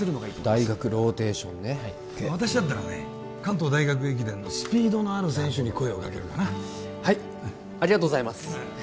大学ローテーションね私だったらね関東大学駅伝のスピードのある選手に声をかけるかなはいありがとうございます